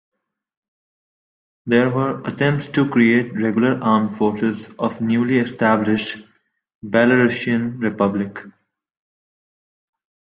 There were attempts to create regular armed forces of the newly established Belarusian republic.